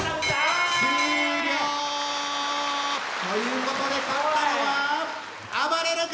終了！ということで勝ったのはあばれる君！